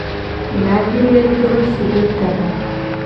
Labile dro si do ta.